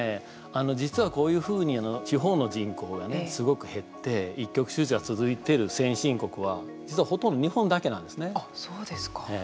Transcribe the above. あの、実はこういうふうに地方の人口がね、すごく減って一極集中が続いてる先進国は実は、ほとんどそうですか。